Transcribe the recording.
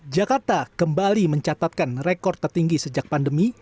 jakarta kembali mencatatkan rekor tertinggi sejak pandemi